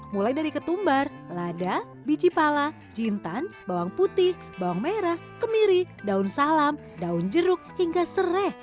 mulai dari ketumbar lada biji pala jintan bawang putih bawang merah kemiri daun salam daun jeruk hingga serai